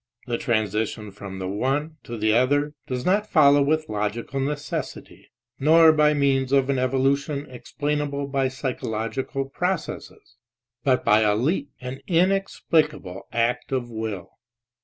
The transition from the one to the other does not follow with logical necessity, nor by means of an evolution explainable by psychological processes, but by a leap, an inexplicable act of will.